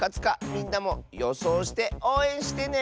みんなもよそうしておうえんしてね！